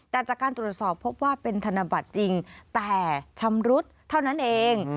แต่จากการตรวจสอบพบว่าเป็นธนบัตรจริงแต่ชำรุดเท่านั้นเอง